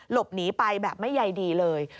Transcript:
หลบหนีไปแบบไม่ใยดีเลย